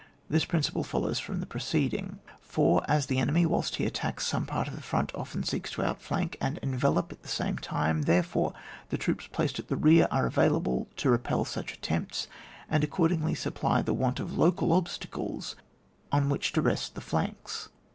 This principle follows from the preceding. 4. As the enemy, whilst he attacks some part of the front, often seeks to outflank and envelop at the same time, therefore, the troops placed in rear are available to repel such attempts, and accordingly supply the want of local obstacles on wluch to rest the flanks.